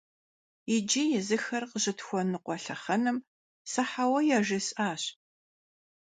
Иджы, езыхэр къыщытхуэныкъуэ лъэхъэнэм, сэ «хьэуэ» яжесӀащ!